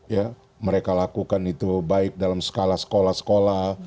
ya mereka lakukan itu baik dalam skala sekolah sekolah